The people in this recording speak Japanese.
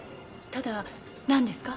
ただなんですか？